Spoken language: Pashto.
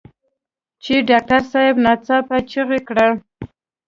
چې ډاکټر صاحب ناڅاپه چيغه کړه.